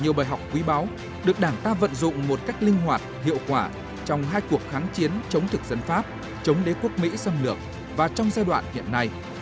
nhiều bài học quý báo được đảng ta vận dụng một cách linh hoạt hiệu quả trong hai cuộc kháng chiến chống thực dân pháp chống đế quốc mỹ xâm lược và trong giai đoạn hiện nay